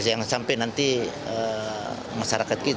jika menggunakan saidat untuk menjelaskan hal itu